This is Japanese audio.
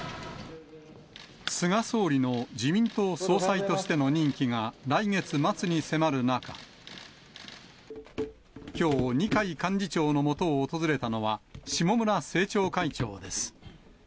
菅総理の自民党総裁としての任期が来月末に迫る中、きょう、二階幹事長のもとを訪れたのは、下村政調会長です。